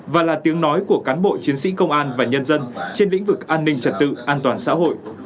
và là tiếng nói của cán bộ chiến sĩ công an và nhân dân trên lĩnh vực an ninh trật tự an toàn xã hội